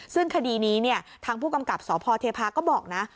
ซึ่งคดีนี้ทางผู้กำกับสพเทพาก็บอกนะ